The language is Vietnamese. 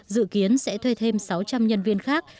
dự kiến sẽ thuê thêm sáu trăm linh nhân viên khác